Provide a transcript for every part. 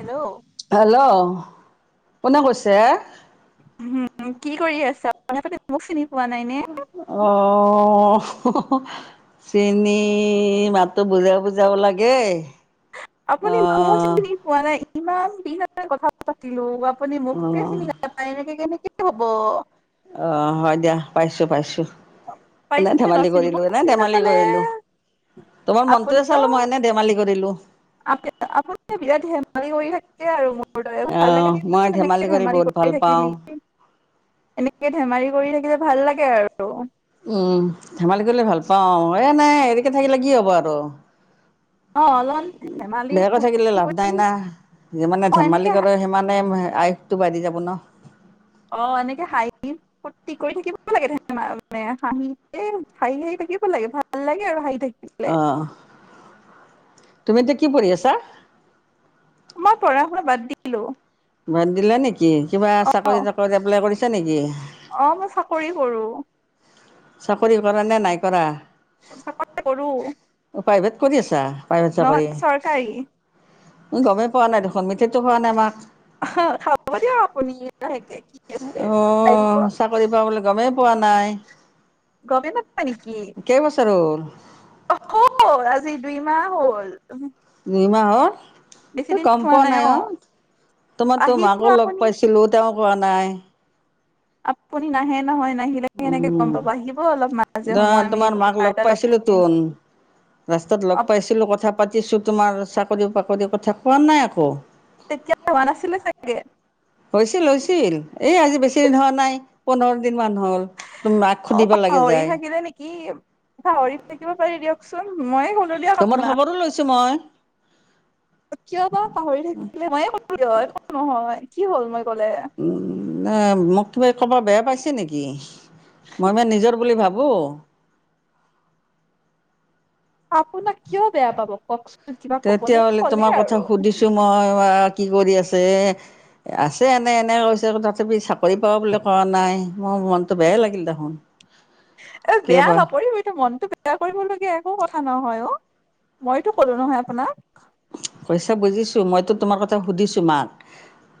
Hello hello. কোনে কৈছে। উম কি কৰি আছ আপুনী মোক চিনি পোৱা নাই নে অ অ চিনি তুমি মাতো বুজা বুজাবও লাগে। আপুনি মোক চিনি পোৱা নাই। ইমান দিছ হাজ কথা পাতিলো, আপুনি মোকে অ' চিনি নাপাই এনেক কেনেক হ'ব অঁ হয় দিয়া পাইছোঁ পাইছোঁ। এনে পাৰিছে ন ধেমালি চিনি কৰিলো মোক এনে চিনি ধেমালি নাপালে কৰিলো তোমাৰ মনটোয়ে আপুনিও চালো মই এনে ধেমালি কৰিলো। আপ আপুনি বিৰাট হেমালি কৰি থাকে আৰু ভাল অ' মই ধেমালি লাগেন কৰি ধেমাৰি বহুত ভাল গ পাওঁ। থাকিলি, এনেকে ধেমালি কৰি থাকিলে ভাল লাগে আৰু। উম। ধেমালি কৰিলে ভাল পাওঁ এই নাই তেকে থাকিলে কি হব আৰু। অ অলপমান ধেমালি বেয়াকৈ থাকিলে ফূৰ্তি লাভ কৰি নাই না যিমানে অ ধেমালি এনেকে কৰে সিমানে আয়ুসটো বাঢ়ি যাব ন। অ এনেকে হাহি ফূৰ্তি কৰি থাকিব লাগে মানে হাঁহি হাঁহি হাঁহি থাকিব লাগে ভাল লাগে আৰু হাঁহি থাকি অ', তুমি এতিয়া কি পঢ়ি আছা? মই পঢ়া শুনা বাদ দিলো। বাদ দিলা নেকি, কিবা অ চাকৰি তাকৰি এপ্লাই কৰিছা নেকি? অ মই চাকৰি কৰো চাকৰি কৰা নে নাই কৰা চাকৰি কৰো উ প্ৰাইভেট কৰি আছা? প্ৰাইভেট চাকৰি নহয় চৰকাৰী। গমেই পোৱা নাই দেখোন মিঠো খোৱা নাই মাক। খাব দিয়ক আপুনি অ', [unintelligible] চাকৰি পাওঁ বুলি গমেই পোৱা নাই গমেই নাপায় নেকি কেইবছৰ হ'ল? অ আজি দুইমাহ হ'ল দুই মাহৰ‌ বেছি তই দিন গম হোৱা পোৱা নাই অ তোমাৰ তো আহিব মাকো লগ আপুনি পাইছিলো তেওঁক পোৱা নাই আপুনি নাহে নহয় নাহিলে কেনেকে গম উম, পাব আহিব অলপ মাজে সময় আমি তোমাৰ মাক লগ পাইছিলোঁ তোন। ৰাস্তাত লগ পাইছিলোঁ, কথা [unintelligible] পাতিছোঁ তোমাৰ চাকৰি বাকৰি কথা কোৱা নাই আকৌ তেতিয়া হোৱা নাছিলে চাগে হৈছিল হৈছিল এই আজি বেছি দিন হোৱা নাই পোন্ধৰ দিন মান হ'ল তুমি মাক অ সুধিব লাগে পাহৰি যায় থাকিলে নেকি পাহৰিত থাকিব পাৰি দিয়ক চোন ময়ে কলো দিয়ক তোমাৰ আপোনাক খবৰো লৈছো মই কিয় বা পাহৰি থাকিলে ময়ে কলো দিয় একো নহয় কি হ'ল মই গলে নে মোক কিবা কব বেয়া পাইছে নেকি মই মে নিজৰ বুলি ভাব [unintelligible] আপোনাক কিয় বেয়া পাব কওকচোন কিবা কবলে তেতিয়া হ'লে ক'লে তোমাৰ আৰু কথা সুধিছো মই [unintelligible] কি কৰি আছে? আছে এনে এনে কৈছে তথাপি চাকৰি পা বুলি কোৱা নাই, মোৰ মনটো বেয়াই লাগিল দেখোন। এ কিয় বেয়া বা নকৰিবি এইটো মনটো বেয়া কৰিবলগীয়া একো কথ থা নহয় অ মইতো কলো নহয় আপোনাক। কৈছা বুজিছো মইতো তোমাৰ কথা সুধিছো মাক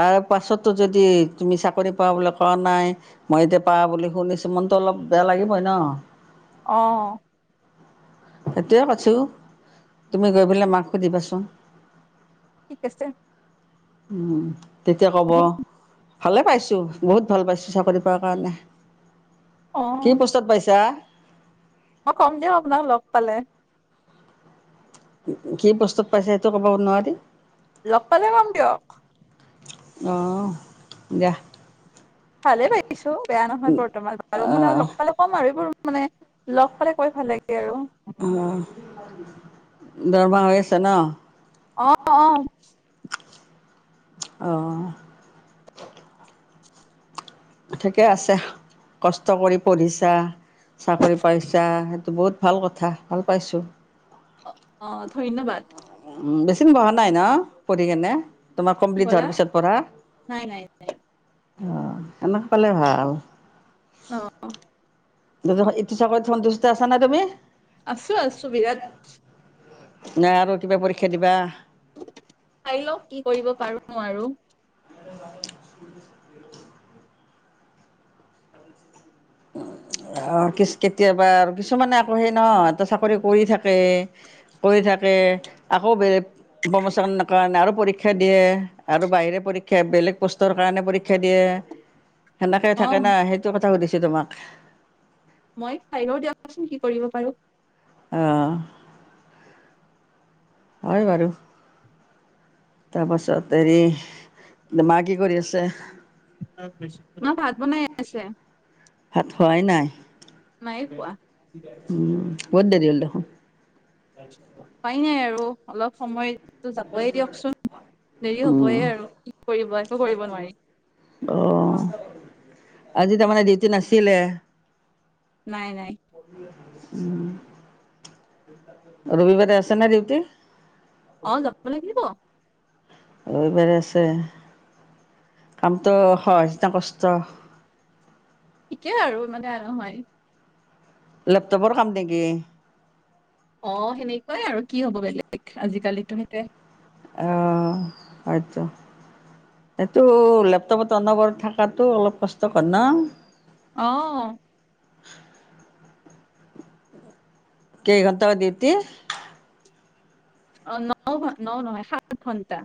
তাৰ পাছতো যদি তুমি চাকৰি পোৱা বুলি কোৱা নাই মই এতিয়া পা বুলি শুনিছো মনটো অলপ বেয়া লাগিবই ন। অ। সেইটোৱে কৈছো তুমি গৈ পেলাই মাক সুধিবাচোন। ঠিক আছে। উ তেতিয়া কব ভালে পাইছো বহুত ভাল পাইছো চাকৰি পোৱা কাৰণে। অ কি পোস্তত পাইছা? মই কম দিমক আপোনাক লগ পালে। কি পৌস্তত পাইছা সেইটো ক'ব নোৱাৰি? লগ পালে কম দিয়ক। অ দিয়াহ। ভালে পাইছো। বেয়া নহয় বৰ্তমান বাৰু মানে অঁ লগ পালে ক'ম আৰু এইবোৰ মানে লগ পালে কৈ ভাল লাগে আৰু দৰমা হৈ আছে ন অঁ অঁ ঠিকেই আছে কষ্ট কৰি পঢ়িছা চাকৰি পাইছা- ত বহুত ভাল কথা ভাল পাইছোঁ অ অ ধন্যবাদ। উ বেচি দিন বহা নাই ন পঢ়ি কেনে। তোমাৰ কি কমপ্লিট ক'লা হোৱাৰ পিছত পঢ়া। নাই নাই অ এনেক পালে ভাল, অ, [unintelligible] এটো চাকৰিত সন্তুষ্ট আছা নে তুমি আছো আছো বিৰাট নে আৰু কিবা পৰী ক্ষা দিবা চাই লওক কি কৰিব পাৰো নোৱাৰোঁ অ কিচ কেতিয়াবা আৰু কিছুমানে অ সেই নহ চাকৰি কৰি থাকে কৰি থাকে আকৌ বেলেগ প্ৰমোচনৰ কাৰণে আৰু পৰীক্ষা দিয়ে আৰু বাহিৰে পৰীক্ষা বেলেগ পোষ্টৰ কাৰণে পৰীক্ষা দিয়ে সেনেকে অ থাকে ন সেইটো কথা সুধিছ তে তোমাক মই চাই লওঁ দিয়কচোন কি কৰিব পাৰো অহ হয় বাৰু তাৰপাছত হেৰি মা কি কৰি আছে মা ভাত বনাই আছে ভাত [unintelligible] নাই কোৱা উম বহুত দেৰি হ'ল দেখোন উপাই নাই আৰু অলপ সময় যাবই দিয়কচোন দেৰি উম হবয়ে আৰু কি কৰিবা ত কৰিব নোৱাৰি। অহ আজি তাৰমানে ডিউটি নাচ চিলে? নাই নাই। উম। [inaudible] ৰবিবাৰে আছে নে দিউটি? অঁ যাব লাগিব। ৰবিবাৰে আছে কামটো সহজ না কষ্ট? ঠিকেই আৰু ইমানে নহয় লেপটপৰ কাম নেকি? অ সেনেকুৱাই আৰু কি হব বেলেগ আজিকালিটো সেইটোৱে। অ হয়তো, এইটো লেপটপত অনবৰ্ত থকাতো অলপ কষ্টকৰ ন? অঁহ। কেই ঘণ্টা ডিউটি? অ ন ঘন ন নহয় সাত ঘন্টা।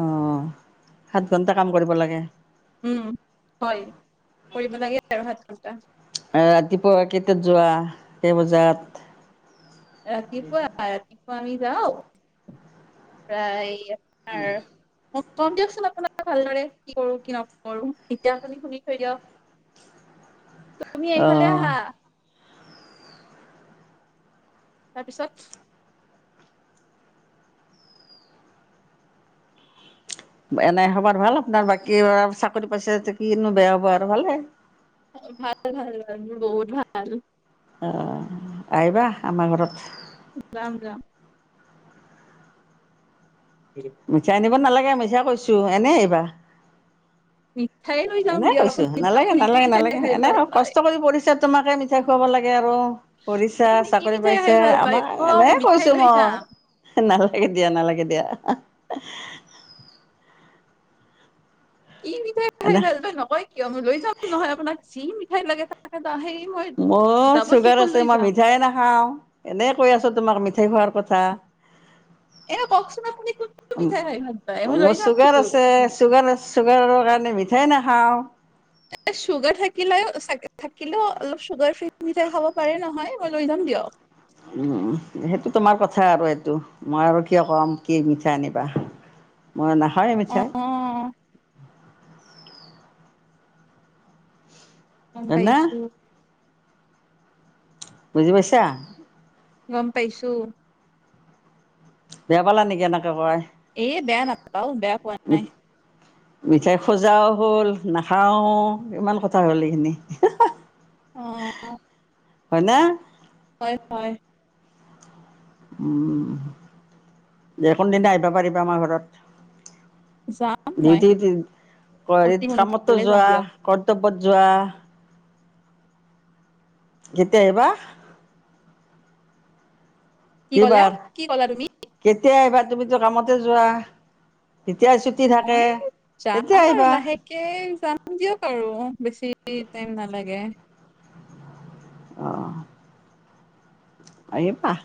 অ সাত ঘন্টা কাম কৰিব লাগে। উম হয়। কৰিব লাগে আৰু সাত ঘণ্টা। ৰাতিপুৱা কেইটাত যোৱা কেই বজাত? ৰাতিপোৱা আমি যাওঁ, প্ৰায় [unintelligible] দিয়কচোন আপো ভালদৰে কি কৰো কি নকৰো, এতিয়া খুনি শুনি থৈ দিয়ক। তুমি এইফালে অঁ আহা। তাৰপিছত? এনেই হ'ব ভাল আপোনাৰ বাকী চাকৰি পাইছে কিনো বেয়া হ'ব আৰু ভালে। ভাল ভাল ভাল বহুত ভাল। অ', আহিবা আমাৰ ঘৰত। যাম যাম। [unintelligible] মিছা কৈছো এনেই আহিবা। মিঠাই লৈ যাম এনে দিয়ক কৈছো আপুনি নালাগে আপুনি কি নালাগে মিঠাই নালাগে, খাই এনে ভাল পায় কষ্ট কৰি পঢ়িছা তোমাকে মিঠাই খুৱাব লাগে আৰু পঢ়িছা আপুনি কি চাকৰি মিঠাই পাইছা খাই ভাল পায় আমাক কওক এনে মিঠাই কৈছো লৈ যাম মই, না লাগে দিয়া নালাগে দিয়া। কি মিঠাই খাই এনে ভাল পাই নকয় কিয়, মই লৈ যাম নহয় আপোনাক যি [unintelligible] লাগে দা- সেই মই ম ডাবল চুগাৰ ট্ৰিপল আছে লৈ মই যাম মিঠাই নাখাও। এনে কৈ আছোঁ তোমাক সেই খোৱাৰ কথা। এ কওকচোন আপুনি কোনটো মিঠাই খাই ভাল পায় মই লৈ মোৰ চুগাৰ যামতো আছে চুগাৰ-চুগাৰৰ কাৰ মই মিঠাই নাখাওঁ। চুগাৰ থাকিলে চাগে থাকিলেও অলপ চুগাৰ ফ্ৰী খাব পাৰে নহয়, মই লৈ যাম দিয়ক। উম, উম, সেইটো তোমাৰ কথা আৰু এইটো মই আৰু কিয় কম, কি মিঠাই আনিবা। মই হয় মিঠাই অ অ', হয় না পাইছোঁ। বুজি পাইছা? গম পাইছোঁ। বেয়া পালা নেকি? এনেকে কও এ, বেয়া নাপাও, বেয়া পোৱা নাই। মিঠাই খোজাও হ'ল, নাখাও ইমান কথা হ'ল এইখিনি। অ হয় না? হয় হয় উম, দে কোনদিনা আহিবা পাৰিবা আমাৰ ঘৰত? যাম মই ডিউটি-টি অতি [unintelligible] কামতো সোনকালে যাম যোৱা দিয়ক ক ক'ত যোৱা? কেতিয়া আহিবা? কি ক'লা এইবাৰ কি ক'লা তুমি কেতিয়া আ তুমিতো কামতে যোৱা? যেতিয়া ছুটি থাকে মই যাম তেতিয়া আৰু আহিবা লাহেকে যাম দিয়ক আৰু বেছি এ টাইম নালাগে অঁ আহিবাহ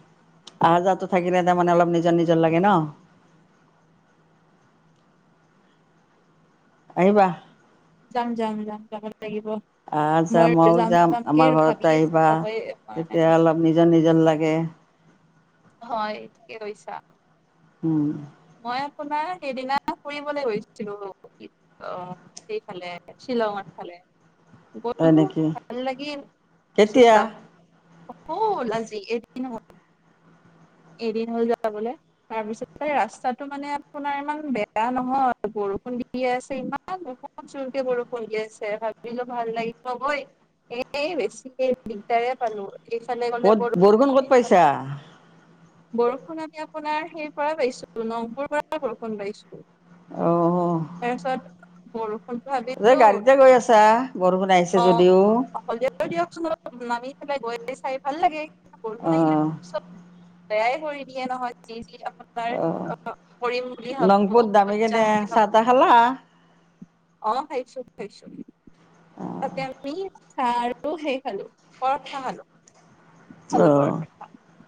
আহা যাহাটো থাকিলে তাৰমানে অলপ নিজৰ নিজৰ লাগে ন আহিবা যাম যাম যাম যাব লাগিব আহা যোৱা মই মইও যাম যাম কে আমাৰ ঘৰত ভাবি আছো আহিবা যাবই পৰা নাই কে হয় কি কৰিছা উম মই আপোনাৰ সেইদিনা ফুৰিবলৈ গৈছিলো অ সেইফালে শ্বিলঙৰ ফালে হয় গীও নেকি ভাল লাগিল কেতিয়া হ'ল আজি এদিন হ'ল এদিন হ'ল যাবলে তাৰপিছতে ৰাস্তা ৰাস্তাটো মানে আপোনাৰ ইমান বেয়া নহয় বৰষুণ দি আছে ইমান বহুত জোৰকৈ বৰষুণ দি আছে ভাবিলো ভাল লাগিব গৈ এই বেছিকে দিগদাৰে পালো। এইফালে গলে ক'ত, বৰষুণ ক'ত এইফালে পাইছা? বৰষুণ আমি আপোনাৰ সেইপৰে পাইছো। ত নংপুৰ পৰা বৰষুণ পাইছো অঁ তাৰপিছত বৰ যে [unintelligible] গাড়ীতে গৈ আছা বৰষুণ আহিছে অ যদিও [unintelligible] দিয়কচোন নামি পেলাই গৈ [unintelligible] চাই ভাল লাগে। বৰষুণ আহিলে অঁ চব তৈয়াই কৰি দিয়ে নহয় যি ঠি তাৰ অ নংপুত নামিকিনে চাহ তাহ খালা। অহ খাইছো খাইছো। তাতে আমি। চাহ আৰু হেৰী খালো। পৰঠা খালোঁ। অহ।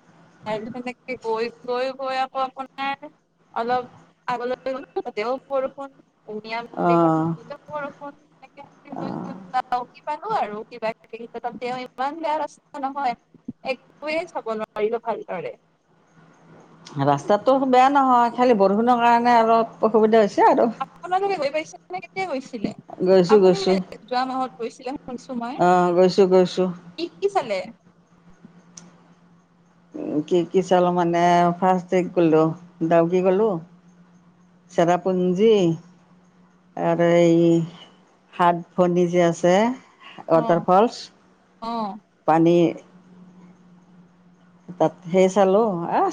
ক গৈ গৈ গৈ আকৌ আপোনাৰ অলপ আগলৈ বৰষু। [unintelligible] কি প অঁ [unintelligible] আৰু কিবা কিবি ক ত তেওঁ ইমান বেয়া ৰাস্তা নহয় একোৱেই চাব নোৱাৰিলো ভালদৰে। ৰাস্তাতটো বেয়া নহয়, খালি বৰষুণৰৰ কাৰণে অলপ অসুবিধা হৈছে আৰু আপোনালোকে গৈ পাইছেনে, কেতিয়া গৈছিলে, আপুনি কেতিয়া যোৱা মাহত গৈছিলে। শুনিছো মই অহ, গৈছোঁ গৈছোঁ কি কি চালে? কি কি চলো মানে ফাৰ্ষ দে গলো দাউক গলো চেৰাপুঞ্জী আৰু এই সাত ভনী যে আছে। [unintelligible] অ ৱাটাৰফলছ, অ পানি তাত সেই চালো,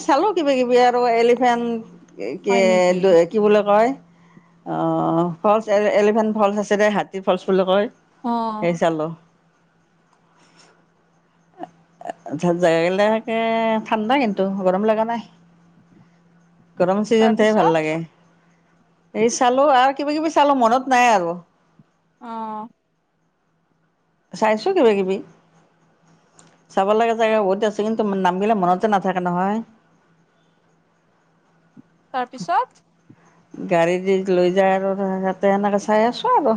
চালো কিবা কিবি আৰু এলিফেণ্ট কি হয় নেকি? কি বুলি কয় [unintelligible] অ ফলচ এলিভেন ফলচ আছে দে হাতী [unintelligible] ফলচ বুলি কয় অ সেই চালো। ত জাগা গলে [unintelligible] এ ঠাণ্ডা কিন্তু গৰম লগা নাই। গৰম চিজনতেহে ভাল তাৰপিছত লাগে। এই চালো আৰু কিবা কিবি চালো মনত নাই আৰু। অহ। চাইছো কিবা কিবি, চাব লগা জেগা বহুতে আছে কিন্তু নাম বিলাক মনতে নাথাকে নহয়। তাৰপিছত। গাড়ী দি লৈ যায় আৰু, তাতে সেনেকে চাই আছো আৰু।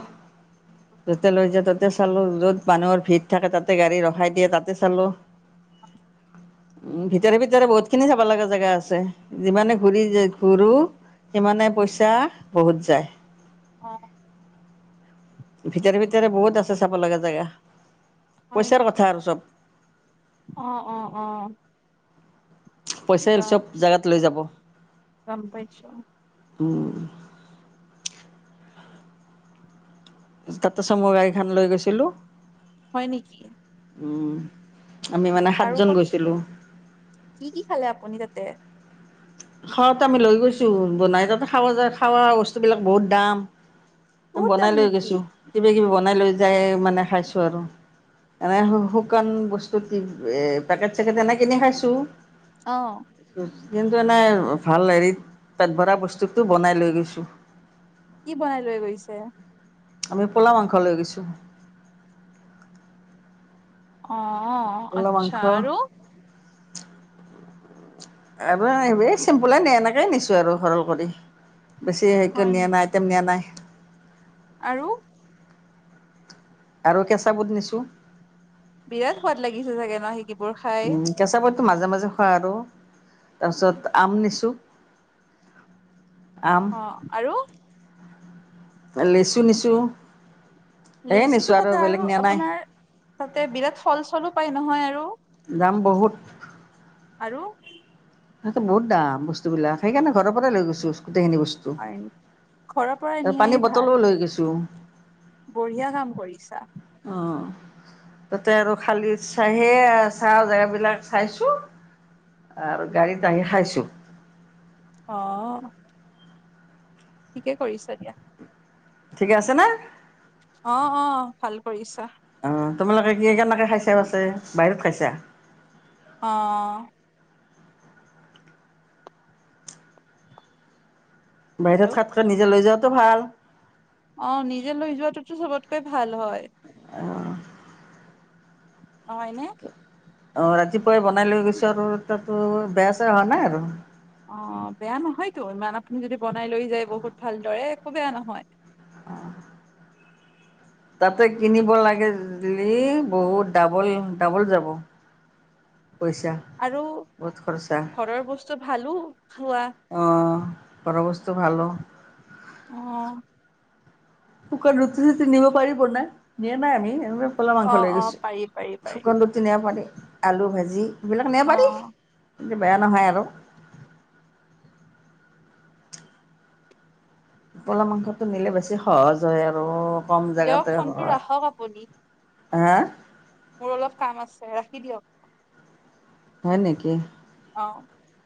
য'তে লৈ যায়, ত'তে চালো। য'ত মানুহৰ ভিৰ থাকে, তাতে গাড়ী ৰখাই দিয়ে, তাতে চালো। উম, ভিতৰে ভিতৰে বহুত খিনি চাব লগা জেগা আছে, যিমানেই ঘূৰি ঘূৰো সিমানেই পইচা বহুত যায়। অ। ভিতৰে ভিতৰে বহুত আছে চাব লগা জেগা। হয় পইচাৰ নেকি? কথা আৰু চব। অ', অ', অ। পইচাই যাম চব জাগাত লৈ যাব। গম পাইছো। উম। তাতে চুমু গাড়ীখন লৈ গৈছিলো। হয় নেকি? উম। আমি মানে আৰু সাতজন ক'ত গৈছিলো। কি কি খালে আপুনি তাতে। খাৱাটো আমি লৈ গৈছো বনাই, তাতে খাৱা যায় খাৱা বস্তুবিলাক বহুত দাম। বহুত বনাই দাম লৈ নেকি? গৈছো, কিবা কিবি বন বনাই লৈ যাই মানে খাইছো আৰু। এনেই শুকান বস্তু এ পেকেট-চেকেট এনেই কিনি খাইছো। অঁ। কিন্তু এনেই ভাল হেৰিত পেট ভৰা বস্তুটো বনাই লৈ গৈছো। কি বনাই লৈ গৈছে? আমি পোলাও মাংস লৈ গৈছো। অঁ। অ', আতচা। আৰু? আৰু এইবেই চিম্পুলে এনেকেই নিছো আৰু সৰল কৰি। বেছি হেৰিকে হয় নিয়া নেকি? নাই, আইটেম নিয়া নাই। আৰু? আৰু কেঁচা বুট নিছোঁ। সোৱাদ লাগি চাগে নহ বোৰ খাই কেঁচা বুটটো মাজে মাজে খোৱা আৰু তাৰপিছত আম নিছো। অ আৰু লিচু নিছো। লিচুতো তাতে আৰু আপোনাৰ তাতে বিৰাট ফল চলো পায় নহয় আৰু দাম বহুত। আৰু তাতটো বহুত দাম বস্তু বিলাক সেইকাৰণে ঘৰৰ পৰাই লৈ গৈছো। গোটেইখিনি বস্তু হয়, ঘৰৰ পৰা আৰু নিয়াই পানী ভাল বটলো লৈ গৈছো। বঢ়িয়া কাম কৰিছা। অ তাতে আৰু খালি চাহে চাহ জেগা বিলাক চাইছো আৰু গাড়ীত দাঙি খাইছোঁ। অ ঠিকে কৰিছা দিয়া। ঠিকে আছে নে। অ', অ'। ভাল কৰিছা। অ', তোমালোকে কি, কেনেকে খাইছ [unintelligible] বাহিৰত খাইছা? অ' বাহিৰত হেল্ল' খোৱাতকে নিজে লৈ যোৱা টো, ভাল। অ', নিজে লৈ যোৱাটোতো চবতকে ভাল হয়। অ'। হয়নে? অ', ৰাতিপুৱাই বনাইলৈ গৈছোঁ আৰু তাতো বেয়া, চেয়া হোৱা নাই আৰু। অ', বেয়া নহয়তো, ইমান আপুনি যদি বনাই লৈ যায় বহুত ভালদৰে একো বেয়া নহয়। অ'। তাতে কিনিব লাগে, [unintelligible] বহুত ডাবল, ডাবল যাব। পইচা, আৰু বহুত খৰচা। ঘৰৰ বস্তু ভালো খোৱা অ', ঘৰৰ বস্তু ভাল অ। শুকান ৰুটি চুতি নিব পাৰি বনাই। নিয়া নাই আমি কলা অ মাংস লৈ অ গৈছোঁ। পাৰি পাৰি পাৰি শুকান ৰুতি নিয়া পানী আলু ভাজি এইবিলাক নিয়ে অ পাৰি। ইতে বেয়া নহয় আৰু। পলা মাংসটো নিলে বেছি সহজ হয় আৰু। কম দিয়ক ফোনটো ৰাখক আপুনি। হে? মোৰ অলপ কাম আছে, ৰাখি দিয়ক। হয় নেকি? অ,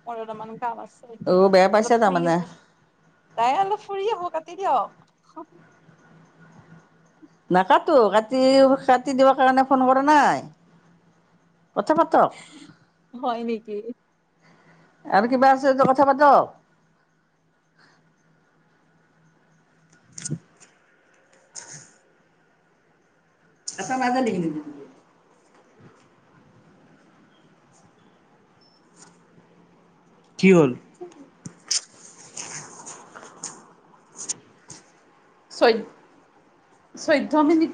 মোৰ দুটামান কাম আছ ছে অ এতিয়া বেয়া পাইছা অলপ ফুৰি তাৰমানে। আহোঁ। তাই অলপ ফুৰি আহো কাটি দিয়ক। [unintelligible] নাকাতো কাটি কাটি দিব কাৰণে ফোন কৰা নাই। কথা পাতক হয় নেকি? আৰু কিবা আছে যদি কথা পাতক। [inaudible] [unintelligible] কি হ'ল? চৈ চৈধ্য মিনিট